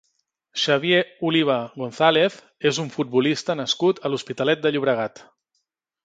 Xavier Oliva González és un futbolista nascut a l'Hospitalet de Llobregat.